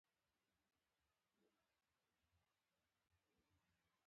خو زما هره شېبه داسې یادېږي لکه همدا اوس او همدا نن.